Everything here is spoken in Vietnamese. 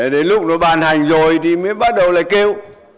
đến lúc nó bàn hành rồi thì mới bắt đầu lại kêu